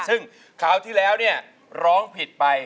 ซึ่งคราวที่แล้วเนี่ยร้องผิดไป